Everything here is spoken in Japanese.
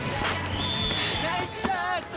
ナイスシュート！